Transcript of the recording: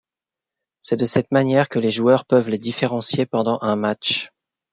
C'est de cette manière que les joueurs peuvent les différentier pendant un match.